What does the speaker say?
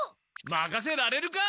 まかせられるか！